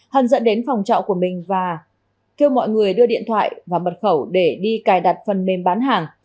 hân dẫn đến phòng trọ của mình và kêu mọi người đưa điện thoại và mật khẩu để đi cài đặt phần mềm bán hàng